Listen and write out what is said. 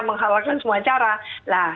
menghalalkan semua cara